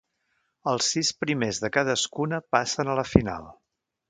Els sis primers de cadascuna passen a la final.